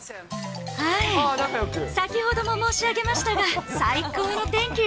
はい、先ほども申し上げましたが、最高の天気。